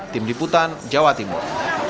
tim diputan jawa timur